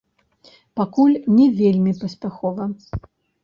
Пакуль не вельмі паспяхова.